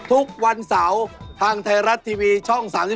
ทุกวันเสาร์ทางไทยรัฐทีวีช่อง๓๒